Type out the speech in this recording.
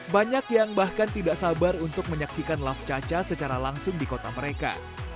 banyak yang bahkan tidak sabar untuk menyaksikan laf caca secara langsung di kota mereka